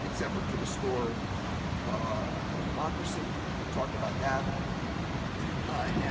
เขาก็บอกให้ฉันที่ฉันสงสัยกับความสงสัย